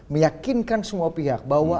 meyakinkan semua pihak bahwa